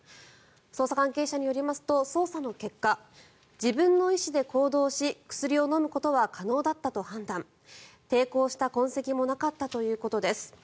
捜査関係者によりますと捜査の結果自分の意思で行動し薬を飲むことは可能だったと判断抵抗した痕跡もなかったということです。